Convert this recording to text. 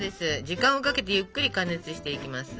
時間をかけてゆっくり加熱していきます。